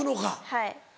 はい。